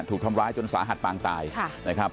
ถูกทำร้ายจนสาหัสปางตายนะครับ